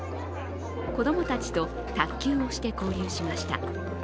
子供たちと卓球をして交流しました。